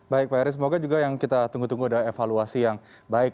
baik pak eri semoga juga yang kita tunggu tunggu adalah evaluasi yang baik